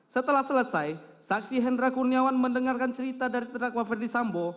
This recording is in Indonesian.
setelah selesai saksi hendra kurniawan mendengarkan cerita dari terdakwa ferdisambo